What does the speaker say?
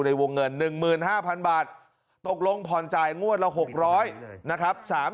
ในวงเงิน๑๕๐๐๐บาทตกลงผ่อนจ่ายงวดละ๖๐๐นะครับ